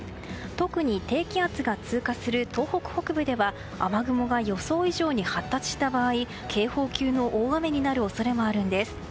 特に低気圧が通過する東北北部は雨雲が予想以上に発達した場合警報級の大雨になる恐れもあるんです。